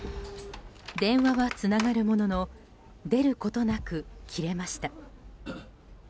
電話はつながるものの出ることなく切れました。